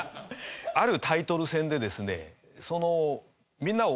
あるタイトル戦でですね。